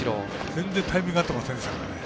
全然、タイミング合ってませんでした。